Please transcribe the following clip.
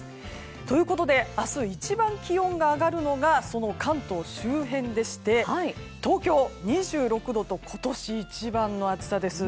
ということで明日、一番気温が上がるのがその関東周辺でして東京、２６度と今年一番の暑さです。